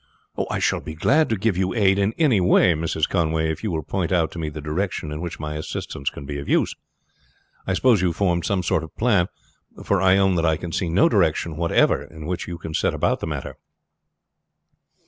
"I shall be glad to give you aid in any way, Mrs. Conway, if you will point out to me the direction in which my assistance can be of use. I suppose you have formed some sort of plan, for I own that I can see no direction whatever in which you can set about the matter."